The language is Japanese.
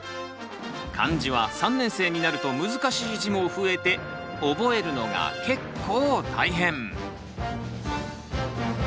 漢字は３年生になると難しい字も増えて覚えるのが結構大変。